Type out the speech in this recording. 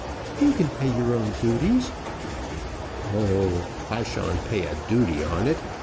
You can pay your own duties." "Oh, I sha'n't pay a duty on it!"